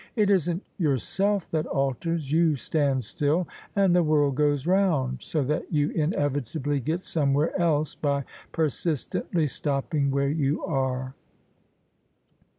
It isn't yourself that alters: you stand still and the world goes round : so that you inevitably get somewhere else by persistently stopping where you are."